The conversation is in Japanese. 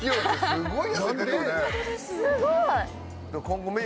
すごい！